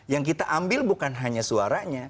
yang kita ambil bukan hanya suaranya